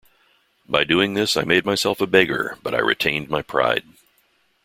By doing this I made myself a beggar but I retained my pride.